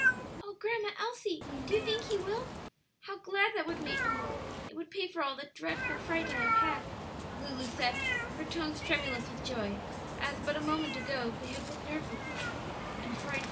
"O Grandma Elsie, do you think he will? How glad that would make me! It would pay for all the dreadful fright I have had," Lulu said, her tones tremulous with joy, as, but a moment ago, they had been with nervousness and fright.